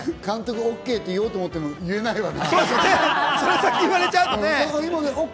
監督、ＯＫ！って言おうと思ってても言えないわな。